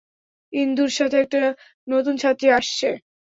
ইন্দুর সাথে একটা নতুন ছাত্রী আসছে।